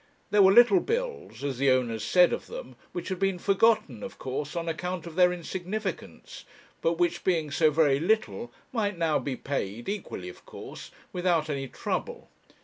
There were little bills, as the owners said of them, which had been forgotten, of course, on account of their insignificance, but which being so very little might now be paid, equally of course, without any trouble.